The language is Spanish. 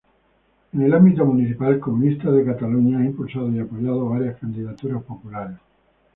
En el ámbito municipal, Comunistas de Catalunya ha impulsado y apoyado varias candidaturas populares.